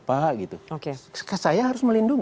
pak gitu oke saya harus melindungi